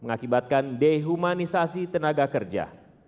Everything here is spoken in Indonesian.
mengakibatkan dehumanisasi tenaga kerja